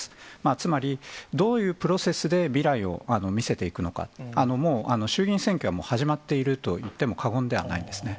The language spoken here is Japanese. つまり、どういうプロセスで未来を見せていくのか、もう衆議院選挙は始まっていると言っても過言ではないんですね。